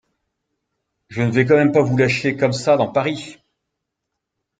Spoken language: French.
Je ne vais quand même pas vous lâcher comme ça dans Paris !